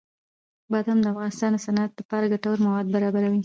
بادام د افغانستان د صنعت لپاره ګټور مواد برابروي.